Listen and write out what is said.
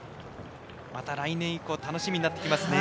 また来年以降楽しみになってきますね。